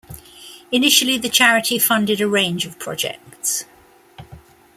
Initially, the charity funded a range of projects.